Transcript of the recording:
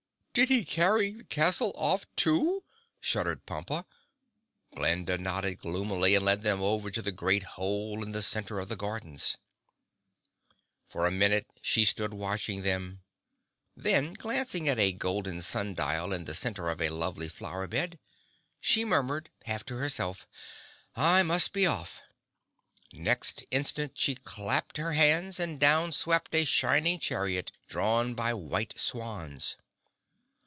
"Did he carry the castle off, too?" shuddered Pompa. Glinda nodded gloomily and led them over to the great hole in the center of the gardens. For a minute she stood watching them. Then, glancing at a golden sun dial set in the center of a lovely flower bed, she murmured half to herself, "I must be off!" Next instant she clapped her hands and down swept a shining chariot drawn by white swans.